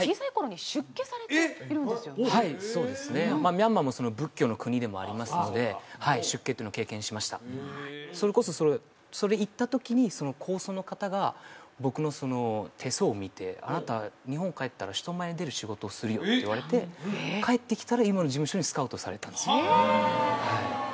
ミャンマーも仏教の国でもありますのではい出家というのを経験しましたそれこそそれ行った時にその高僧の方が僕の手相を見てって言われて帰ってきたら今の事務所にスカウトされたんですよはあ！